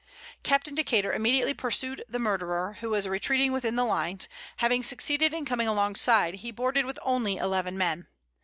Captain Decater immediately pursued the murderer, who was retreating within the lines; having succeeded in coming alongside, he boarded with only eleven men.